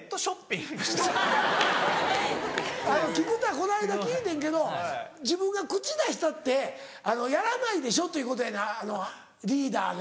この間聞いてんけど自分が口出したってやらないでしょということやねんリーダーが。